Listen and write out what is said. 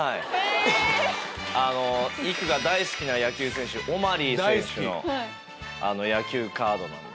育が大好きな野球選手オマリー選手の野球カードです。